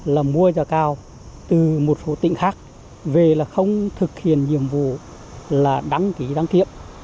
là mua giá cao từ một số tỉnh khác về là không thực hiện nhiệm vụ là đăng ký đăng kiểm